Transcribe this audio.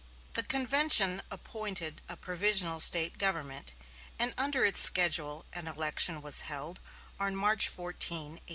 The convention appointed a provisional State government, and under its schedule an election was held on March 14, 1864.